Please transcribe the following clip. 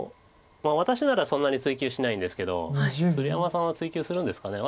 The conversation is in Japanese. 私ならそんなに追及しないんですけど鶴山さんは追及するんですかね。